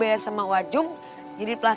ayo kita kejar dia